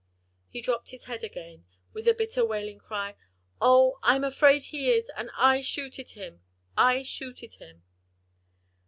He dropped his head again, with a bitter, wailing cry. "O, I'm afraid he is, and I shooted him! I shooted him!"